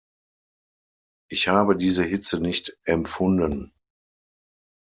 Ich habe diese Hitze nicht empfunden.